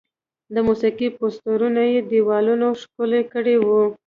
د موسیقي پوسټرونه یې دیوالونه ښکلي کړي وي.